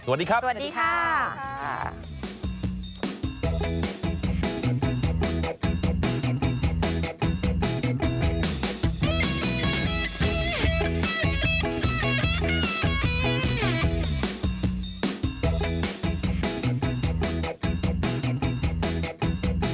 สวัสดีครับสวัสดีค่ะ